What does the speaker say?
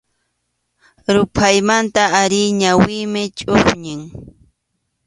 Ruphaymantach ari ñawiymi chʼuqñi.